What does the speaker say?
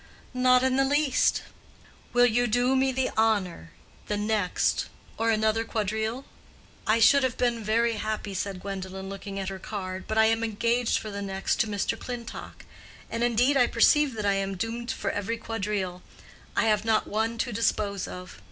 "Not in the least." "Will you do me the honor—the next—or another quadrille?" "I should have been very happy," said Gwendolen looking at her card, "but I am engaged for the next to Mr. Clintock—and indeed I perceive that I am doomed for every quadrille; I have not one to dispose of."